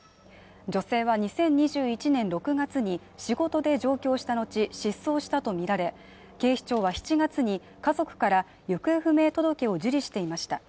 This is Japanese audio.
女性は２０２１年６月に仕事で上京した後、失踪したとみられ、警視庁は７月に家族から行方不明届を受理していました。